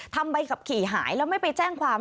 ใบขับขี่หายแล้วไม่ไปแจ้งความ